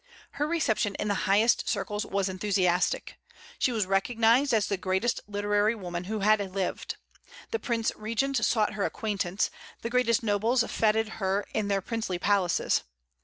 Her reception in the highest circles was enthusiastic. She was recognized as the greatest literary woman who had lived. The Prince Regent sought her acquaintance; the greatest nobles feted her in their princely palaces.